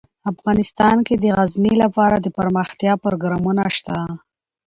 افغانستان کې د غزني لپاره دپرمختیا پروګرامونه شته.